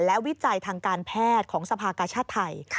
และวิจัยทางการแพทย์ของสภากชาติไทย